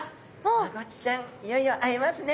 マゴチちゃんいよいよ会えますね。